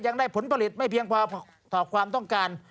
ยังได้ผลผลิตไม่เพียงพอต่อความต้องการ